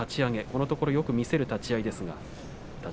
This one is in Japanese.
このところよく見せる立ち合いでした。